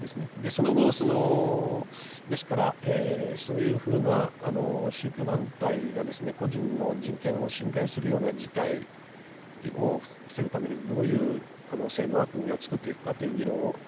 その後ですからそういうふうな宗教団体がですね個人の人権を侵害するような事態を防ぐためにどういう制度枠組みを作っていくかという議論をほとんどしてこなかったと。